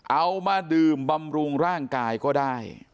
เอามาดื่มบำรุงร่างกายก็ได้